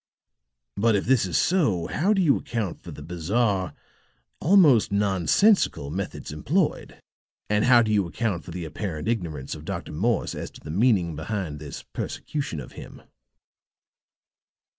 "But if this is so, how do you account for the bizarre almost nonsensical methods employed? And how do you account for the apparent ignorance of Dr. Morse as to the meaning behind this persecution of him?"